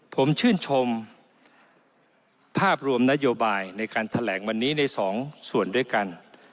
ผมชื่นชมภาพรวมนโยบายในการแถลงวันนี้ในสองส่วนด้วยกัน